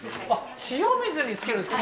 塩水につけるんですか？